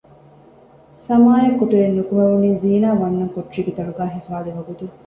ސަމާއަށް ކޮޓަރިން ނުކުމެވުނީ ޒީނާ ވަންނަން ކޮޓަރީގެ ތަޅުގައި ހިފާލި ވަގުތު